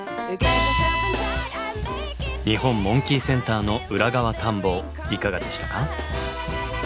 日本モンキーセンターの裏側探訪いかがでしたか？